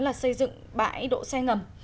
là xây dựng bãi đỗ xe ngầm